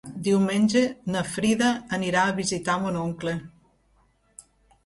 Diumenge na Frida anirà a visitar mon oncle.